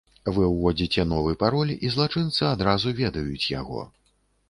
Вы ўводзіце новы пароль і злачынцы адразу ведаюць яго.